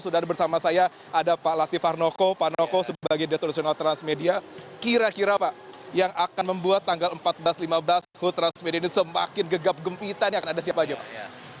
sudah ada bersama saya ada pak latif harnoko pak noko sebagai the tradisional transmedia kira kira pak yang akan membuat tanggal empat belas lima belas hood transmedia ini semakin gegap gempitan yang akan ada siapa aja pak